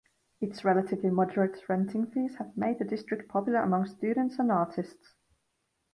Its relatively moderate renting fees have made the district popular amongst students and artists.